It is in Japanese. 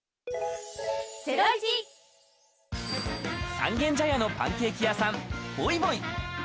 三軒茶屋のパンケーキ屋さんＶｏｉＶｏｉ。